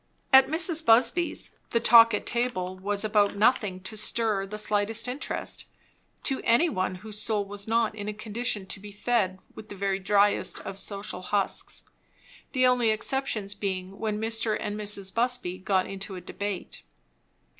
At Mrs. Busby's the talk at table was about nothing to stir the slightest interest, to any one whose soul was not in a condition to be fed with the very dryest of social husks; the only exceptions being when Mr. and Mrs. Busby got into a debate.